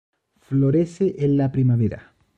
Florece en la primavera.